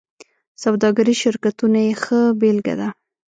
سوداګریز شرکتونه یې ښه بېلګه ده.